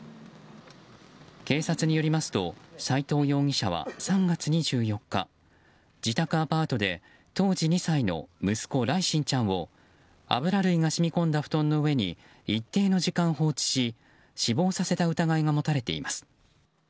警察によりますと斉藤容疑者は３月２４日自宅アパートで当時２歳の息子・來心ちゃんを油類が染み込んだ布団の上に一定の時間放置し死亡させた疑いが持たれています。